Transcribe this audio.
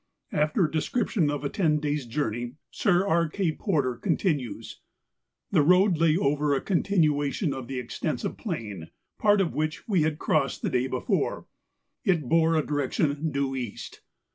After a description of a ten days' journey. Sir E. K. Porter continues :—The road lay over a con¬ tinuation of the extensive plain, part of which we had crossed the day before; it bore a direction due east.